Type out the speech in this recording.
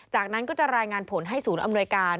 จากนั้นก็จะรายงานผลให้ศูนย์อำนวยการ